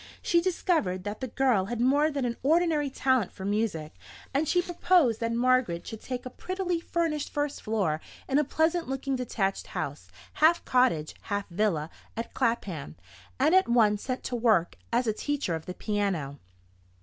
She discovered that the girl had more than an ordinary talent for music; and she proposed that Margaret should take a prettily furnished first floor in a pleasant looking detached house, half cottage, half villa, at Clapham, and at once set to work as a teacher of the piano.